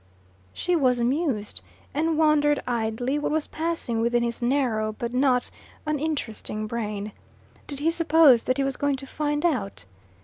She was amused, and wondered idly what was passing within his narrow but not uninteresting brain. Did he suppose that he was going to "find out"?